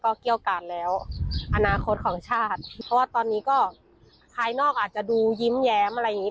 เกี้ยวการแล้วอนาคตของชาติเพราะว่าตอนนี้ก็ภายนอกอาจจะดูยิ้มแย้มอะไรอย่างงี